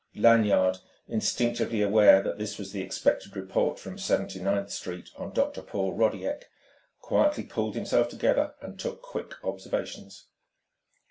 Lanyard, instinctively aware that this was the expected report from Seventy ninth Street on Dr. Paul Rodiek, quietly pulled himself together and took quick observations.